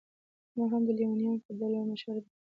ما هم د لېونیانو په ډول مشوره درکړه.